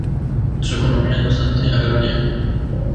Su economía es básicamente agraria.